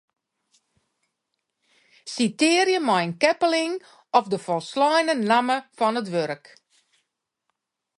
Sitearje mei in keppeling of de folsleine namme fan it wurk.